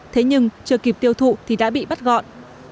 thế nhưng chưa kịp tiêu thụ thì đã bị bắt gọn